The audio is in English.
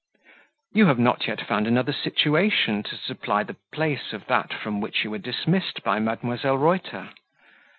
"You have not yet found another situation to supply the place of that from which you were dismissed by Mdlle. Reuter?"